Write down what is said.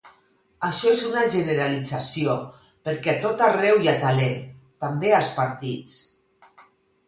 Això és una generalització, perquè a tot arreu hi ha talent, també als partits.